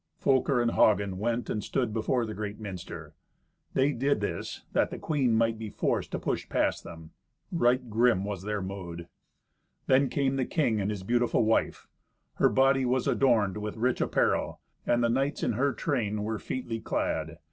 Folker and Hagen went and stood before the great minster. They did this, that the queen might be forced to push past them. Right grim was their mood. Then came the king and his beautiful wife. Her body was adorned with rich apparel, and the knights in her train were featly clad.